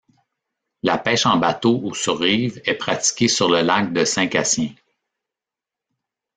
La pêche en bateau ou sur rive est pratiquée sur le lac de Saint-Cassien.